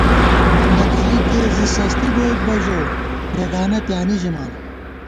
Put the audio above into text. مندہ کھائیکے سستی بوئیت بہ ژو ، بېگانہ پیانی ژِمان